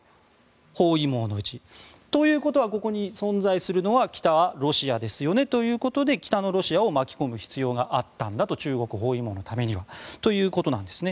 包囲網のうち。ということはここに存在するのは北はロシアですよねということで北のロシアを巻き込む必要があったんだと中国包囲網のためには。ということなんです。